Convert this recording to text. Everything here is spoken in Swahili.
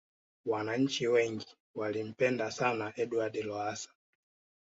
wananchi wengi walimpenda sana edward lowasa